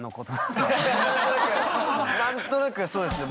何となくそうですね